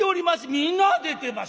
「皆出てます